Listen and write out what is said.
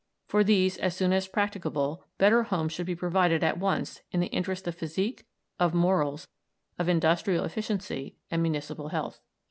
for these, as soon as practicable, better homes should be provided at once in the interest of physique, of morals, of industrial efficiency, and municipal health."